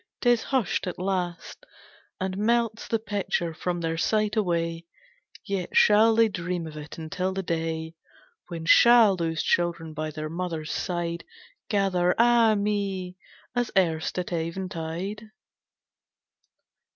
'Tis hushed at last And melts the picture from their sight away, Yet shall they dream of it until the day! When shall those children by their mother's side Gather, ah me! as erst at eventide?